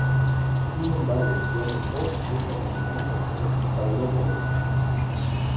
Sin embargo, ya notó ciertas semejanzas con los saurópodos.